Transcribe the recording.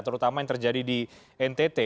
terutama yang terjadi di ntt